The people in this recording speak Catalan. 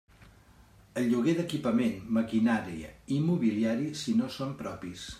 El lloguer d'equipament, maquinària i mobiliari, si no són propis.